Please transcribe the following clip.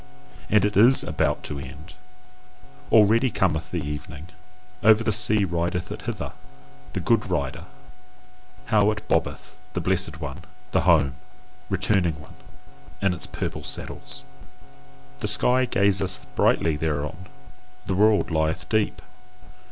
And it is ABOUT TO end. Already cometh the evening: over the sea rideth it hither, the good rider! How it bobbeth, the blessed one, the home returning one, in its purple saddles! The sky gazeth brightly thereon, the world lieth deep.